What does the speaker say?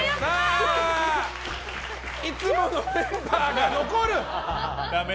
いつものメンバーが残る！